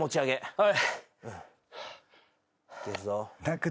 はい！